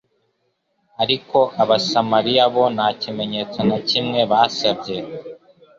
Ariko abasamaliya bo nta kimenyetso na kimwe basabye,